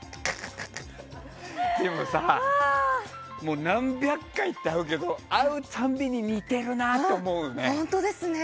でもさ、何百回って会うけど会う度に、似てるなって思うね。